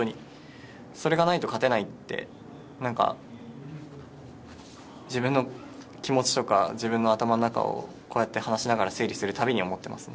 それがないと勝てないって自分の気持ちとか自分の頭の中をこうやって話しながら整理するたびに思ってます。